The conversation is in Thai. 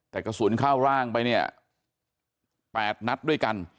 แต่กระสุนเข้าร่างไปเนี่ย๘นัดด้วยกัน